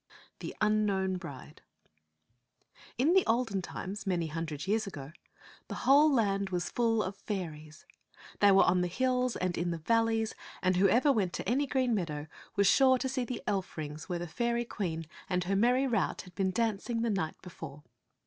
THE UNKNOWN BRIDE IN the olden times, many hundred years ago, the whole land was full of fairies. They were on the hills and in the valleys, and whoever went to any green meadow was sure to see the elf rings where the fairy ii6 t^^ TOifi^ of (gain's tcKk queen and her merry rout had been dancing the night before.